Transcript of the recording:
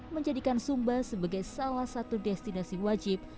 menjadikan sumba sebagai salah satu destinasi wajib